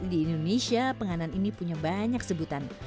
di indonesia penganan ini punya banyak sebutan